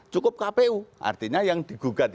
cukup kpu artinya yang digugat